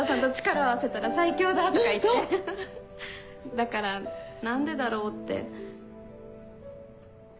だから何でだろうって。